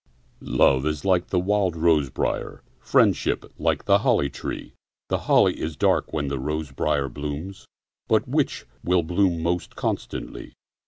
Love is like the wild rose briar; Friendship like the holly tree. The holly is dark when the rose briar blooms, But which will bloom most constantly?